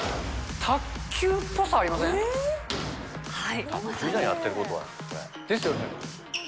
卓球っぽさありません？ですよね。